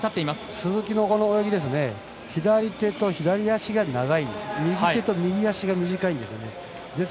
鈴木の泳ぎは左手と左足が長い右手と右足が短いんです。